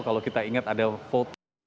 kalau kita ingat ada foto